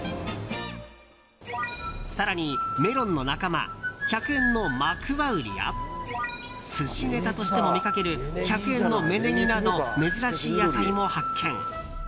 更にメロンの仲間１００円のマクワウリや寿司ネタとしても見かける１００円の芽ネギなど珍しい野菜も発見。